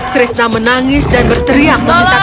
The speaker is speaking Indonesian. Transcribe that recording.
krishna menangis dan berteriak meminta tolong